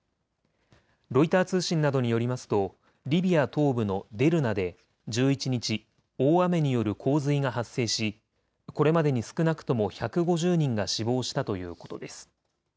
ロイター通信などによりますとリビア東部のデルナで１１日、大雨による洪水が発生しこれまでに少なくとも１５０人が死亡したということです。